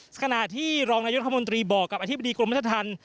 สถานะที่รองนายกรัฐมนตรีบอกกับอธิบดีกรมชนรับประธาน